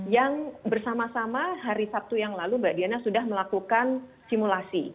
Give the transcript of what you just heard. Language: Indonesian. yang bersama sama hari sabtu yang lalu mbak diana sudah melakukan simulasi